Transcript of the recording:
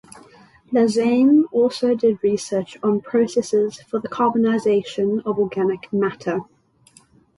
Lassaigne also did research on processes for the carbonization of organic matter.